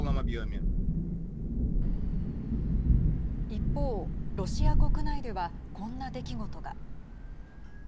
一方、ロシア国内ではこんな出来事が。